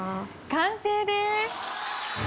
完成です。